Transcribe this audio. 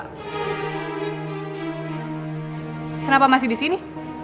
kenapa masih di sini